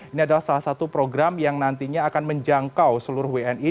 ini adalah salah satu program yang nantinya akan menjangkau seluruh wni